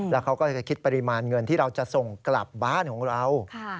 แล้วเขาก็จะคิดปริมาณเงินที่เราจะส่งกลับบ้านของเรา